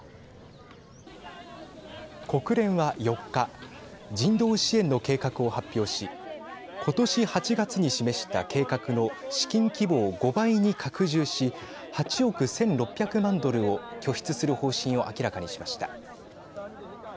国連は４日人道支援の計画を発表し今年８月に示した計画の資金規模を５倍に拡充し８億１６００万ドルを拠出する方針を明らかにしました。